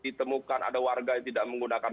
ditemukan ada warga yang tidak menggunakan